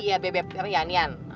iya bebek apa ian ian